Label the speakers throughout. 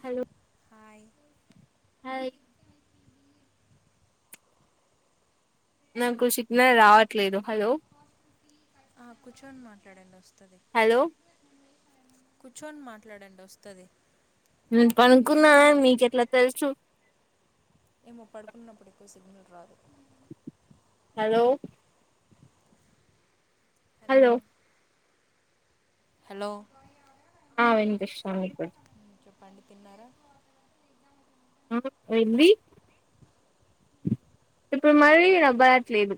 Speaker 1: Hello
Speaker 2: hi
Speaker 1: hi నాకు signal రావట్లేదు hello
Speaker 2: ఆ కూర్చొని మాట్లాడండి వస్తది
Speaker 1: హలో
Speaker 2: కూర్చొని మాట్లాడండి వస్తది
Speaker 1: నేను పనుకున్నానని మీకు ఎట్లా తెలుసు
Speaker 2: ఏమో పడుకున్నప్పుడు ఎక్కువ సిగ్నల్ రాదు
Speaker 1: హలో హలో
Speaker 2: హలో
Speaker 1: ఆ వినిపిస్తుంది ఇప్పుడు
Speaker 2: ఉమ్, చెప్పండి తిన్నారా
Speaker 1: ఏంది ఇప్పుడు మరి వినబ్బడట్లేదు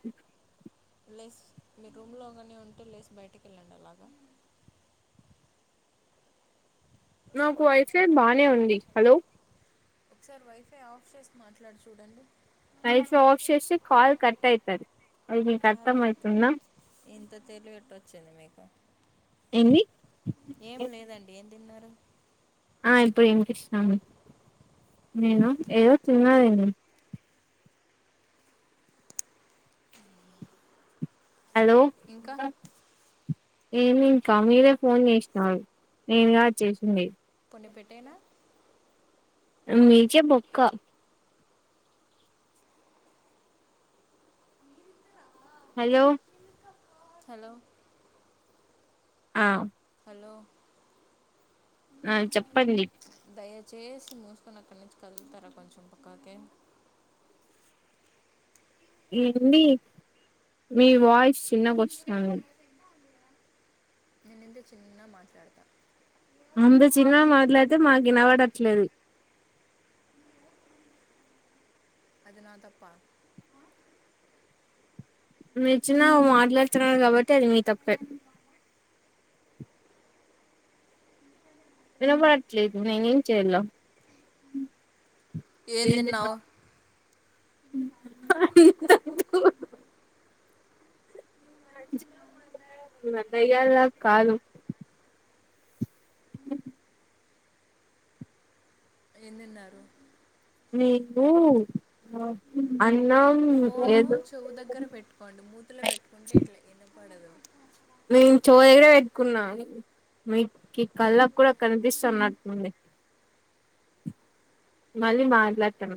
Speaker 2: లేస్ మీ రూమ్లో కానే ఉంటే లేస్ బయటికి వెళ్ళండి అలాగా
Speaker 1: నాకు వైఫై బానే ఉంది హలో
Speaker 2: ఒకసారి వైఫై ఆఫ్ చేసి మాట్లాడి చూడండి
Speaker 1: వైఫ్ ఆఫ్ చేస్తే కాల్ కట్ అయితది అది మీకు
Speaker 2: అరే
Speaker 1: అర్థం అవుతుందా
Speaker 2: చిన్నమ్మాయిక ఏం లేదండి ఏం తిన్నారు
Speaker 1: ఆ ఇప్పుడు ఈనిపిస్తుంది నేను ఏదో తిన్నానండి హలో
Speaker 2: ఇంకా
Speaker 1: నేను ఇంకా మీరే ఫోన్ చేసినారు నేను కాదు చేసింది
Speaker 2: పోనీ పెట్టేనా
Speaker 1: మైక్ బొక్క హలోల
Speaker 2: హలో
Speaker 1: ఆ
Speaker 2: హలో
Speaker 1: ఆ చెప్పండి
Speaker 2: దయచేసి మూసుకొని అక్కడి నుంచి కదులుతారా కొంచెం పక్కాకే
Speaker 1: ఏంది మీ వాయిస్ చిన్నగొస్థాంధి
Speaker 2: నేను చిన్నగా మాట్లాడతా
Speaker 1: అంత చిన్నగా మాట్లాడితే మాకు వినవడట్లేదు
Speaker 2: అది నా తప్పా
Speaker 1: మీరు చిన్నగ మాట్లాడుతున్నారు కాబట్టి అది మీ తప్పే వినపడట్లేదు నేను ఏం చెయ్యల్ల
Speaker 2: ఏం తిన్నావు
Speaker 1: అ నందయ్యాలలా కాలం ఉ
Speaker 2: ఏందిన్నారు
Speaker 1: ఊ
Speaker 2: ఫోను చెవు దగ్గర పెట్టుకోండి మూతులో పెట్టుకుంటే ఇట్లా ఏ వాడదు
Speaker 1: నేను చూదగరే పెట్టుకున్నాను మీకు కళ్ళకు కూడా కనిపిస్తున్నట్డి మళ్ళీ మాట్లాడతాను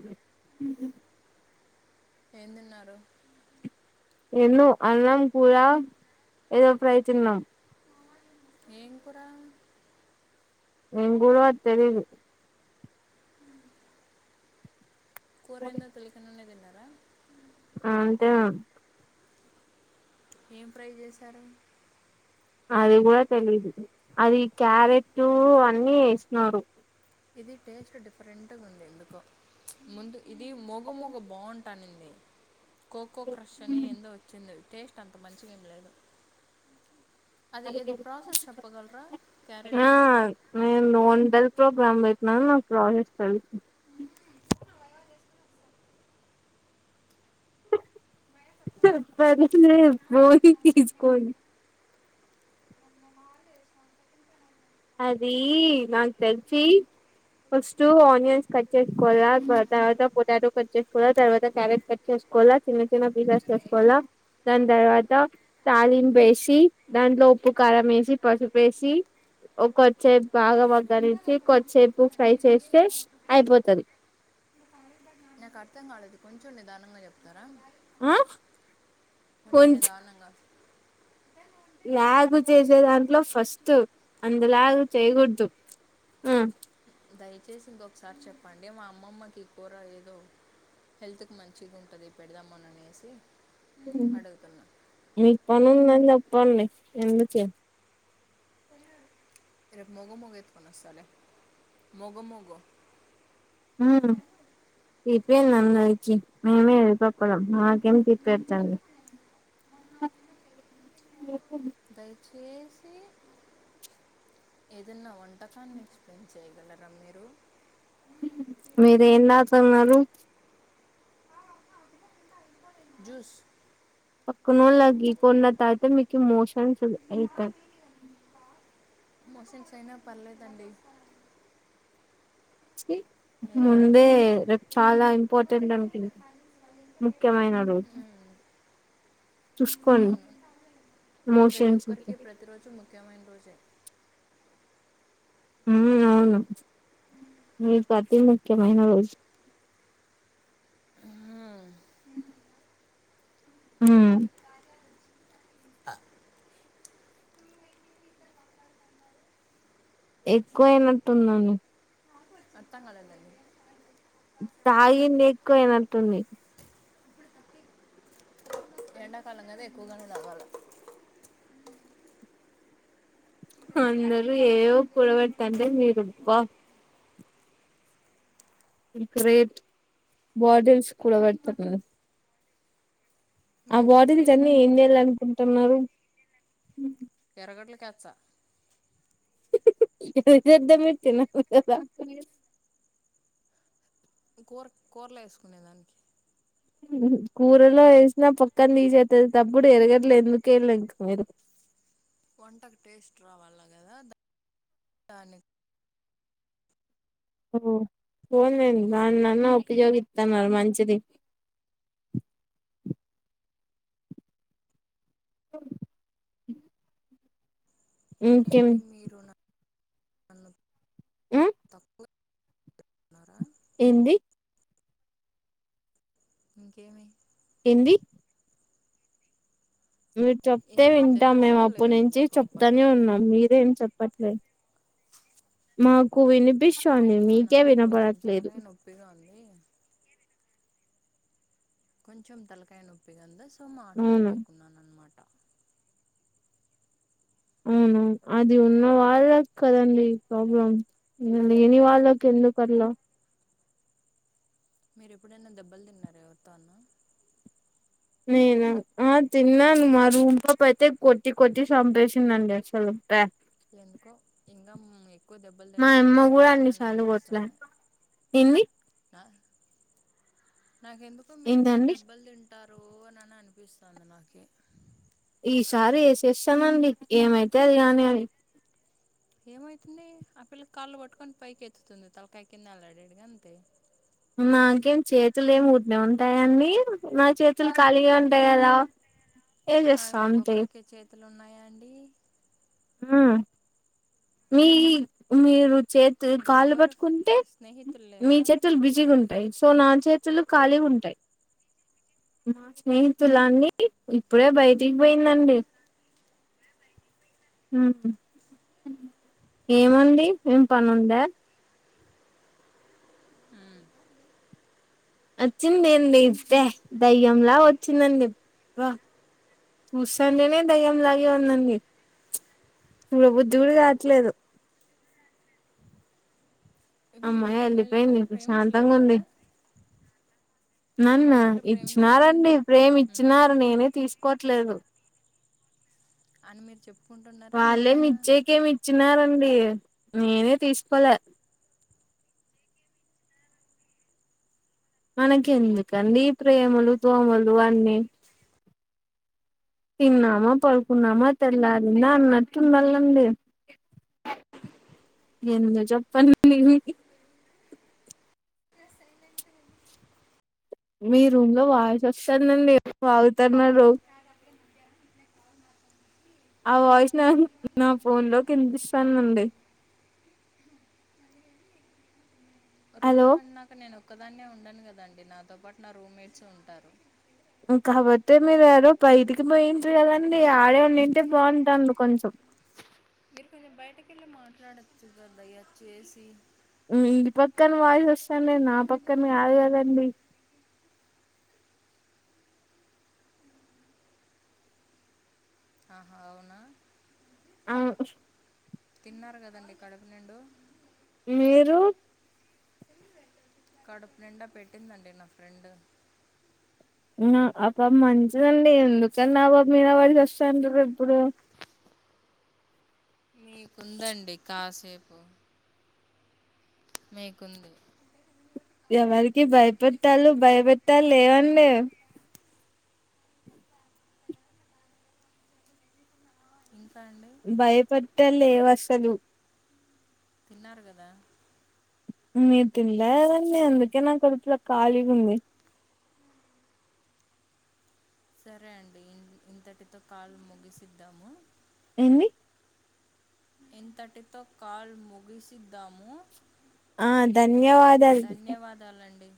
Speaker 2: ఏందిన్నారు
Speaker 1: ఎ అన్నం కూర ఏదో ప్రయతుం
Speaker 2: ఏం కూడాడా
Speaker 1: నిం గ ఊరు వతది ఇ
Speaker 2: కూరేంద తెలిన్నదిడి
Speaker 1: అ అంతా
Speaker 2: ఏం ట్రై చేశారు
Speaker 1: అది కూడా తెలీదు అది క్యారెట్ అన్ని ఇస్తున్నారు
Speaker 2: ఇది టేస్ట్ డిఫరెంట్గా ఉంది ఎందుకో ముందు ఇది మగ మగ బాగుంటంది తనింది కోకో క్రష్ అని ఎంత వచ్చింది టేస్ట్ అంత మంచిగా ఏం లేదు అది ఇది ప్రాసెస్ చెప్పగలరా క్యారెట్ది
Speaker 1: నోండల్ ప్రోగ్రామ్ నా ప్రోసెస్ చ ప పో తీజకో అది నాకు తెలిసి ఫస్ట్ ఆనియన్స్ కట్ చేసుకోవాలా తర్వాత పొటాటో కట్ చేసుకోవాలా తర్వాత క్యారెట్ కట్ చేసుకోవాలా చిన్న చిన్న పీసెస్ వేసుకోవాలా దాని తర్వాత తాలిం వేసి దాంట్లో ఉప్పు కారం వేసి పసుపేసి కొద్దిసేపు బాగ మగ్గ నుంచి కొద్దిసేపు ఫ్రై చేస్తే అయిపోతుంది
Speaker 2: నాకు అర్థం కాలేదు కొంచెం నిదానంగా చెప్తాను
Speaker 1: ఆ
Speaker 2: ఉంచం
Speaker 1: కొంచ
Speaker 2: ని దారుణంగా
Speaker 1: లాగు చేసే దాంట్లో ఫస్ట్ అందులాగు చేయకూడదు ఆ
Speaker 2: దయచేసి ఇంకొకసారి చెప్పండి మా అమ్మమ్మకి కూర ఏదో హెల్త్కి మంచిగా ఉంటుంది పెడదామని అనేసి
Speaker 1: మీ పన పన్నడి ఎందుక
Speaker 2: ఇరేపు మగ మగ ఎత్కోన్నాస్తాల మగ మగ
Speaker 1: తీప్పందిందరికి మేమే వెళపప్పడం మాకేం తీప్పడతాండి
Speaker 2: దయచేసి ఏదన్నా వంట పకాన్ని ఎక్స్ప్లెయిన్ చేయగల ఇక్కడ మీరు
Speaker 1: మీరేంతున్నారు
Speaker 2: జూస్
Speaker 1: పక్కన లగ్గికున్న తయితే మీకు మోషన్స్ అవుతయి
Speaker 2: మోసంగ్స్ అయినా పర్లేదండి
Speaker 1: చి
Speaker 2: నేనే తాగుతా
Speaker 1: ముందే రేపు చాలా ఇ పోతేంటి అనుకుంటే ముఖ్యమైన రోజు
Speaker 2: మ్మ్.
Speaker 1: చూసుకోండి
Speaker 2: అవును ప్రతి
Speaker 1: మోషన్స్
Speaker 2: ఒక్కరికి ప్రతి రోజు ముఖ్యమైన రోజే
Speaker 1: ఊ అవును మీకు అతి ముఖ్యమైన రోజు
Speaker 2: మ్మ్.
Speaker 1: ఊ ఎక్కువ అయినట్టు ఉందని
Speaker 2: అత్తం కాలేదండి
Speaker 1: తాగింది ఎక్కువైనట్టుంది
Speaker 2: ఎండాకాలం కదా ఎక్కువగానే తాగాలా
Speaker 1: అందరు ఏయవో కూడబెడతాంటే మీరు వా గ్రేట్ బాటిల్స్ కూడా పెడుతున్నారు ఆ
Speaker 2: మంచి
Speaker 1: బాటిల్స్
Speaker 2: విషయమేగా
Speaker 1: అన్ని ఏం చేయాలనుకుంట టున్నారు
Speaker 2: స
Speaker 1: ఏం చేద్దాం? నేను తిన్నాం కదా
Speaker 2: కూర కూరలు వేసుకునే దానికి
Speaker 1: కూరలో వేసినా పక్కాన తీసేతప్పుడు ఎరగట్లే ఎందుకు వెళ్లే ఇంకా మీరు
Speaker 2: వంటకు టేస్ట్ రావాలా కదా దాన్ని
Speaker 1: ఓ పోన్ లేండి దాన్నన్న ఉపయోగిత్తన్నారు మంచిది ఇంకేం
Speaker 2: అంటేంటి మీరు నా అన్న
Speaker 1: ఆ
Speaker 2: తక్కువే న్నారా
Speaker 1: ఏంది
Speaker 2: ఇంకేమి
Speaker 1: ఏంది మీరు చెప్తే
Speaker 2: ఏం లేదు మీ
Speaker 1: వింటాం
Speaker 2: దగ్గర
Speaker 1: మేము
Speaker 2: సిగ్నల్
Speaker 1: అప్పటి నుంచి
Speaker 2: లేదనుకుంటా ప్రాపర్గా
Speaker 1: చెప్తానే ఉన్నాం మీరే ఏం చెప్పట్లేదు మాకు వినిపిస్ తంది
Speaker 2: అవునా
Speaker 1: మీకే
Speaker 2: నాకు కొంచెం
Speaker 1: వినపడట్లేదు
Speaker 2: తలకాయ నొప్పిగా ఉంది కొంచెం తలకాయ నొప్పిగా ఉందా సో
Speaker 1: అవును
Speaker 2: మాట్లాడలేకున్నాన అనమాట
Speaker 1: అవును అది ఉన్న వాళ్ళకి కదండి ప్రాబ్లం లేని వాళ్ళకి ఎందుకల్లా
Speaker 2: మీరు ఎప్పుడైనా దెబ్బలు తిన్నార ఎవరితో అన్న
Speaker 1: నేన ఆ తిన్నాను మా రూమ్పప్పు అయితే కొట్టి కొట్టి చంపేసిందండి అసలు
Speaker 2: ఎందుకో ఇంగం ఎక్కువ దెబ్బలు
Speaker 1: మా అమ్మ
Speaker 2: తింటారేమో
Speaker 1: కూడా అన్ని
Speaker 2: అనిని
Speaker 1: సార్లు కొట్లా
Speaker 2: అనిపిస్తుంది
Speaker 1: ఏంది
Speaker 2: నాకెందుకో మీరు ఇంకా
Speaker 1: ఏంటండి
Speaker 2: దెబ్బలు తింటారు అని అని అనుకు ఇస్తా అంది నాకే
Speaker 1: ఈసారి ఏసేస్తామండి ఏమైతే అది కానీ గాని
Speaker 2: ఏమవుతుంది ఆ పిల్ల కాళ్ళు పట్టుకొని పైకి ఎత్తుతుంది తలకాయ కిందా ఎలాడేడుగా అంతే
Speaker 1: నాకేం చేతులు ఏం ఊర్క్నే ఉంటాయండి నా చేతులు ఖాళీగా ఉంటాయి కదా ఏ చేస్తా అంతే
Speaker 2: ఇల్లు ఉన్నాయా అండి
Speaker 1: హుం మీ మీరు చేతులు కాళ్ళు
Speaker 2: నీకెవ్వరు
Speaker 1: పట్టుకుంటే
Speaker 2: స్నేహితులు
Speaker 1: మీ
Speaker 2: లేరా
Speaker 1: చేతులు బిజీగా ఉంటాయి సో నా చేతులు ఖాళీ ఉంటాయి నా స్నేహితులన్నీ ఇప్పుడే
Speaker 2: అవునా
Speaker 1: బయటికి పోయిందండి హు ఏముంది ఏం పనుందా
Speaker 2: హుమ్
Speaker 1: వచ్చిందేంది ఏబ్బే దయ్యంలా వచ్చిందండి అబ్బా చూస్తుంటానే దయ్యంలాగే ఉందండి ఇప్పుడు చూడబుద్ది కూడా కావట్లేదు
Speaker 2: మీ
Speaker 1: అమ్మయ
Speaker 2: మిమ్మల్ని
Speaker 1: వెళ్ళిపోయింది
Speaker 2: ఎవరు ప్రేమించలేదు
Speaker 1: ప్రశాంతంగా ఉంది
Speaker 2: కదా
Speaker 1: నాన్న
Speaker 2: మిమ్మల్ని ఎవరు ప్రేమించలేదు కదా
Speaker 1: ఇచ్చినారండి ప్రేమి
Speaker 2: మ్మ్
Speaker 1: ఇచ్చినారు నేనే తీసుకోవట్లేదు
Speaker 2: అని మీరు చెప్పుకుంటున్నారా అది నిజమా
Speaker 1: డి నేనే తీసుకోలే మనకి ఎందుకండి ప్రేమలు దోమలు అన్నీ తిన్నామా పడుకున్నామా తెల్లారిందా అన్నట్టుండాలండి ఎందు చెప్పండివి మీ రూమ్ లో వాయిస్ వస్తదండి వాగుతన్నారు ఆ వాయిస్ న నా ఫోన్ లోకి వినిపిస్తాంది అండి
Speaker 2: రూమ్
Speaker 1: హలో
Speaker 2: లో అన్నాక నేను ఒక్కదాన్నే ఉండను కదండడి నాతో పాటు నా రూమ్మేట్స్ ఉంటారు
Speaker 1: కాపోతే మీరు ఎడో బయిటికి పోయింట్రి కదండి ఆడేవాడింటే బాగుంటాండు కొంచెం
Speaker 2: మీరు బయటకు వెళ్ళి మాట్లాడోచ్చు కదా దయ చేసి
Speaker 1: మీ పక్కన వాయిస్ వస్తాంది నా పక్కన కాదు గదండి
Speaker 2: ఆహా అవునా
Speaker 1: ఆవ్
Speaker 2: తిన్నారు కదండి కడపు నిండు
Speaker 1: మీరు
Speaker 2: కడుపు నిండా పెట్టిందండి నా ఫ్రెండ్
Speaker 1: ఆ పా మంచిదండి ఎందుకండి ఆ ఆమె మీద పడి సస్తాంటారు ఎప్పుడు
Speaker 2: మీకుందండి కాసేపు మీకుంది
Speaker 1: ఎవరికి భయపెట్టాలు భయపెట్టాలేవండి
Speaker 2: ఇంకా అం
Speaker 1: భయపెట్ట లేవు అసలు
Speaker 2: తిన్నారు కదా
Speaker 1: మీరు తినలేదండి అందుకే నా కడుపులో కలిగా ఉంది
Speaker 2: సరే అండి ఇ ఇంతటితో కాల్ ముగిసిద్దాము
Speaker 1: ఏంది
Speaker 2: ఇంతటితో కాల్ ముగిసిద్దాము
Speaker 1: ఆ ధన్యవాదాలు
Speaker 2: ధన్యవాదాలండి